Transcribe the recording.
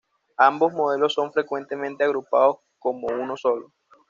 Ambos modelos son frecuentemente agrupados como uno solo.